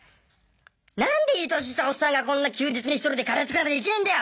何でいい年したおっさんがこんな休日に１人でカレー作らなきゃいけねぇんだよ！